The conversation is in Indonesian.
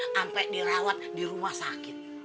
sampai dirawat di rumah sakit